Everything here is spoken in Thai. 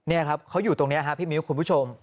นี่ครับเขาอยู่ตรงนี้ครับพี่มิ้วคุณผู้ชม